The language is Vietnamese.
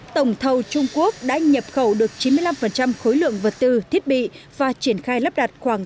tổng thầu trung quốc đã nhập khẩu được chín mươi năm khối lượng vật tư thiết bị và triển khai lắp đặt khoảng tám mươi ba